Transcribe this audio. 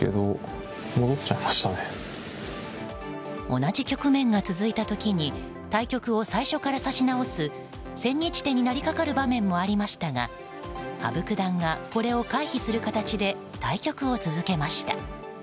同じ局面が続いた時に対局を最初から指し直す千日手になりかかる場面もありましたが羽生九段がこれを回避する形で対局を続けました。